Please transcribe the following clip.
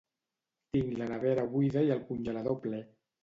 Tinc la nevera buida i el congelador ple